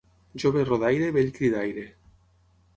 Jove rodaire, vell cridaire.